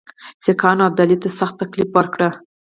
سیکهانو ابدالي ته سخت تکلیف ورکړ.